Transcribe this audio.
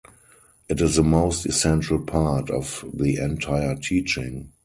It is the most essential part of the entire teaching.